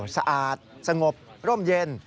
สะอาดสงบร่มเย็น